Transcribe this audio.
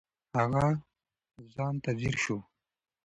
هغه ځان ته ځیر شو.